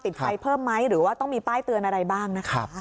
ติดไฟเพิ่มไหมหรือว่าต้องมีป้ายเตือนอะไรบ้างนะคะ